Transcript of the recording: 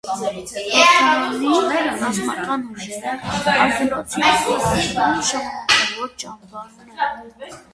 Հորդանանի ռազմական ուժերը արգելոցի հարավում ժամանակավոր ճամբար ունեն։